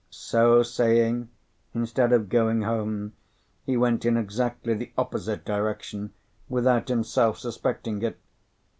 So saying, instead of going home, he went in exactly the opposite direction without himself suspecting it.